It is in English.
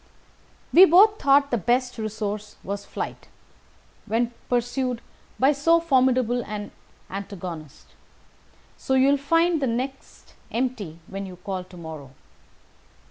"We both thought the best resource was flight, when pursued by so formidable an antagonist; so you will find the nest empty when you call to morrow.